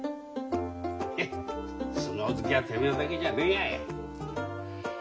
へっ相撲好きはてめえだけじゃねえやい。